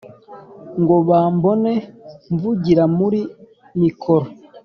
ngo bambone mvugira muri mikoro